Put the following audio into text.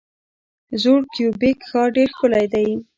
زوړ کیوبیک ښار ډیر ښکلی دی.